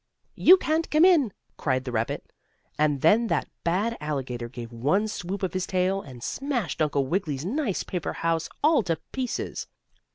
"You can't come in!" cried the rabbit, and then that bad alligator gave one swoop of his tail, and smashed Uncle Wiggily's nice paper house all to pieces!